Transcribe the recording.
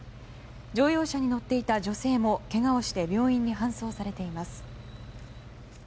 乗用車に乗っていた女性もけがをして病院に搬送されています。